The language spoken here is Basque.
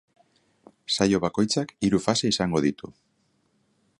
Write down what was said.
Saio bakoitzak hiru fase izango ditu.